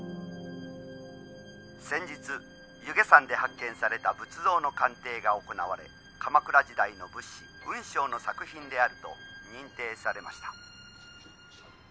「先日弓削山で発見された仏像の鑑定が行われ鎌倉時代の仏師雲尚の作品であると認定されました」